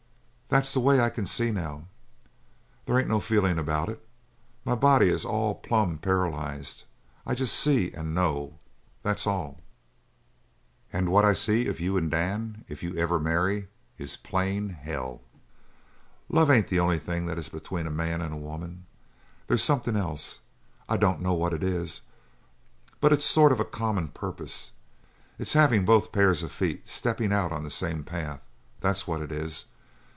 That's the way I can see now. They ain't no feelin' about it. My body is all plumb paralyzed. I jest see and know that's all. "And what I see of you and Dan if you ever marry is plain hell! Love ain't the only thing they is between a man and a woman. They's something else. I dunno what it is. But it's a sort of a common purpose; it's havin' both pairs of feet steppin' out on the same path. That's what it is.